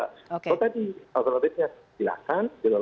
kalau tadi alternatifnya silakan